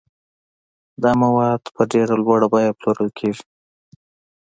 دا مواد په ډېره لوړه بیه پلورل کیږي.